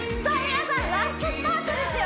皆さんラストスパートですよ